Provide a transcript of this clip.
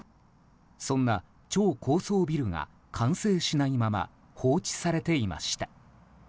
そんな超高層ビルが完成しないまま放置されていました。